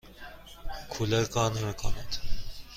کولر کار نمی کند.